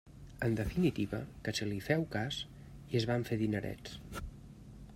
En definitiva, que se li féu cas i es van fer dinerets.